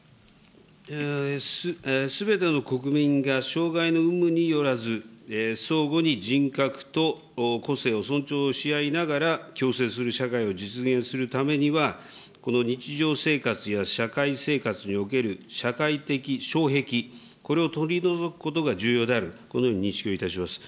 すべての国民が障害の有無によらず、相互に人格と個性を尊重し合いながら、共生する社会を実現するためには、この日常生活や社会生活における社会的障壁、これを取り除くことが重要である、このように認識をいたします。